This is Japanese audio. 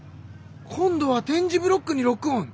今度は点字ブロックにロックオン！